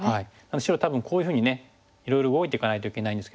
白多分こういうふうにねいろいろ動いていかないといけないんですけども。